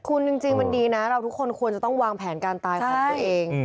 คุณจริงมันดีนะเราทุกคนควรจะต้องวางแผนการตายของตัวเอง